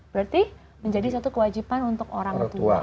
berarti menjadi satu kewajiban untuk orang tua